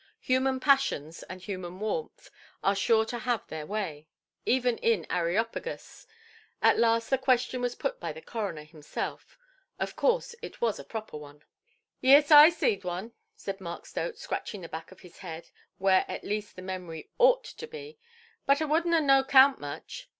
Human passions and human warmth are sure to have their way, even in Areopagus. At last the question was put by the coroner himself. Of course it was a proper one. "Yees, I zeed wan", said Mark Stote, scratching the back of his head (where at least the memory ought to be); "but a wadnʼt of no 'count much".